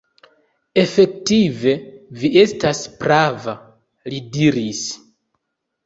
Efektive vi estas prava, li diris.